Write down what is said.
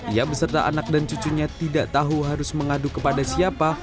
ia beserta anak dan cucunya tidak tahu harus mengadu kepada siapa